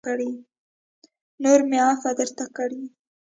نور مې عفوه درته کړې